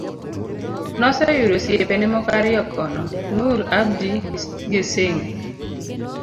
Noseyudo osiepene moko ariyo kono, Noor Abdi gi Singh